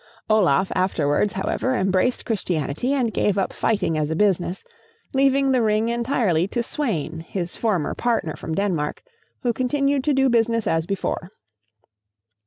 Olaf afterwards, however, embraced Christianity and gave up fighting as a business, leaving the ring entirely to Sweyn, his former partner from Denmark, who continued to do business as before.